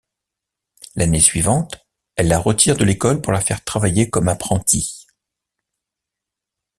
L'année suivante, elle la retire de l'école pour la faire travailler comme apprentie.